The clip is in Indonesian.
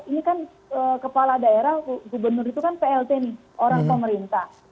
ini kan kepala daerah gubernur itu kan plt nih orang pemerintah